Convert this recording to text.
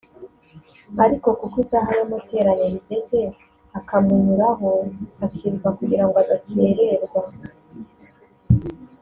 ariko kuko isaha y’amateraniro igeze akamunyuraho akiruka kugira ngo adakererwa